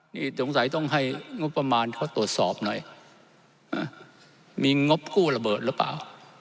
นี่สงสัยต้องให้งบประมาณเขาตรวจสอบหน่อยมีงบกู้ระเบิดหรือเปล่า